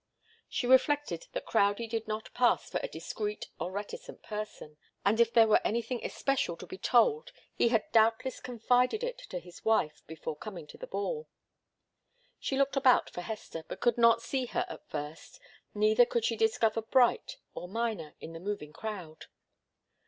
She reflected that Crowdie did not pass for a discreet or reticent person, and that if there were anything especial to be told he had doubtless confided it to his wife before coming to the ball. She looked about for Hester, but could not see her at first, neither could she discover Bright or Miner in the moving crowd.